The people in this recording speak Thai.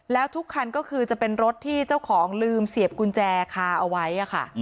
แล้วทุกคันก็คือจะเป็นรถที่เจ้าของลืมเสียบกุญแจคาเอาไว้ค่ะ